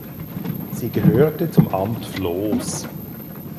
Sie gehörte zum Amt Floß.